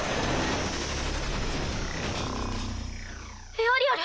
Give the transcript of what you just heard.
エアリアル？